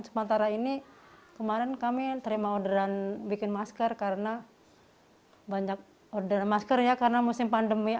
sementara ini kemarin kami terima orderan bikin masker karena banyak orderan masker ya karena musim pandemi